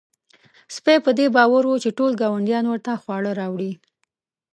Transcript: سپی په دې باور و چې ټول ګاونډیان ورته خواړه راوړي.